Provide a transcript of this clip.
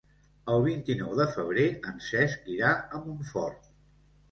El vint-i-nou de febrer en Cesc irà a Montfort.